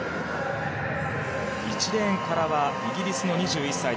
１レーンからはイギリスの２１歳。